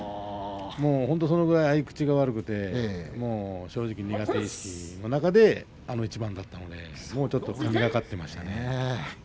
それぐらい合い口が悪くて正直、苦手意識の中であの一番だったのでちょっと神がかっていましたね。